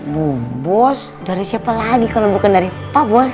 bu bos dari siapa lagi kalau bukan dari pak bos